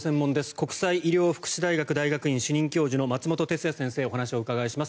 国際医療福祉大学大学院主任教授の松本哲哉先生にお話をお伺いします。